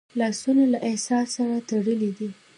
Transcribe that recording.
لاسونه له احساس سره تړلي دي